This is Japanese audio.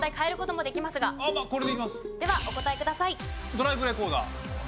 ドライブレコーダー。